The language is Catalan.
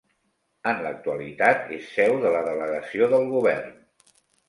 En l'actualitat, és seu de la Delegació del Govern.